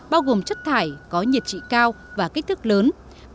bao gồm chất thải có nhiệt trị cao và kích thước lớn